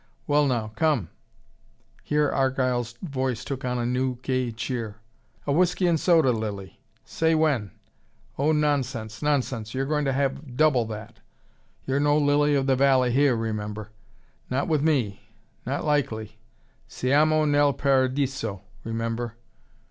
Well, now, come " here Argyle's voice took on a new gay cheer. "A whiskey and soda, Lilly? Say when! Oh, nonsense, nonsense! You're going to have double that. You're no lily of the valley here, remember. Not with me. Not likely. Siamo nel paradiso, remember."